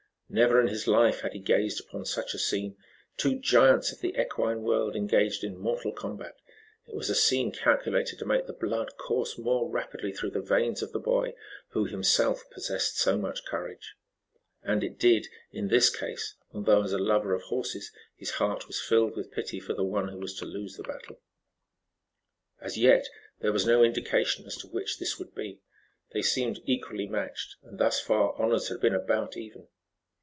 Never in his life had he gazed upon such a scene two giants of the equine world engaged in mortal combat. It was a scene calculated to make the blood course more rapidly through the veins of the boy, who, himself, possessed so much courage. And it did, in this case, though as a lover of horses his heart was filled with pity for the one who was to lose the battle. As yet there was no indication as to which this would be. They seemed equally matched, and thus far honors had been about even.